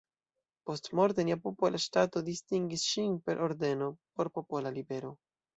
Postmorte nia popola ŝtato distingis ŝin per ordeno „Por popola libero".